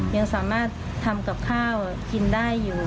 ยังสามารถทำกับข้าวกินได้อยู่